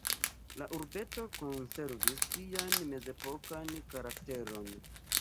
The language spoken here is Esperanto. La urbeto konservis sian mezepokan karakteron.